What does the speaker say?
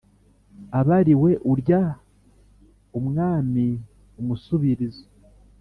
abariwe urya umwami umusubirizo